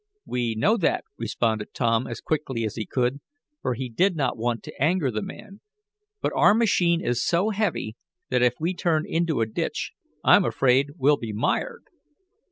"We know that," responded Tom, as quickly as he could, for he did not want to anger the man. "But our machine is so heavy that if we turn into the ditch I'm afraid we'll be mired."